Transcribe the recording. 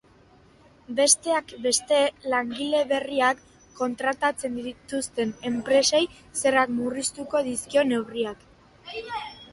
Besteak beste, langile berriak kontratatzen dituzten enpresei zergak murriztuko dizkio neurriak.